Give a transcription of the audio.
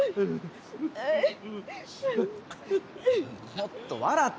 もっと笑って！